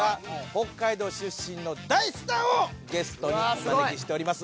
北海道出身の大スターをゲストにお招きしております。